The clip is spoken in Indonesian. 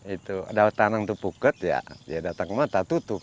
itu ada tanang itu puket ya dia datang ke rumah tak tutup